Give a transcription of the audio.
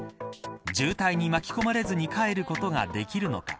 渋滞に巻き込まれずに帰ることができるのか。